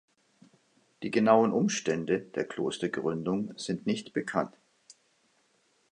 Die genauen Umstände der Klostergründung sind nicht bekannt.